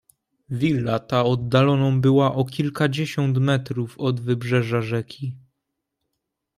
"Willa ta oddaloną była o kilkadziesiąt metrów od wybrzeża rzeki."